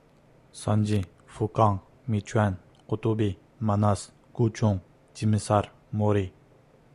سانجى، فۇكاڭ، مىچۈەن، قۇتۇبى، ماناس، گۇچۇڭ، جىمىسار، مورى.